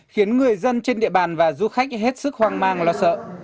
khiến người dân trên địa bàn và du khách hết sức hoang mang lo sợ